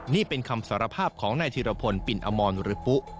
นี่เป็นคำสารภาพของนายธิรพลปินอมรหรือปุ๊